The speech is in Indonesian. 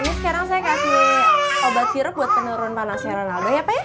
ini sekarang saya kasih obat sirup buat penurun panasnya lama ya pak